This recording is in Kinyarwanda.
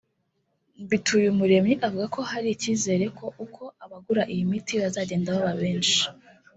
Mbituyumuremyi avuga ko hari icyizere ko uko abagura iyi miti bazagenda baba benshi